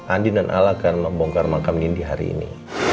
andi dan al akan membongkar mangka nindi hari ini